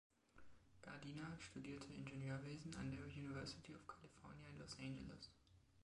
Gardiner studierte Ingenieurwesen an der University of California in Los Angeles.